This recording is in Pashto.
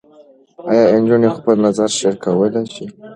ایا نجونې خپل نظر شریکولی شي؟